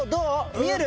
見える？